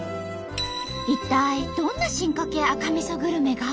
一体どんな進化系赤みそグルメが？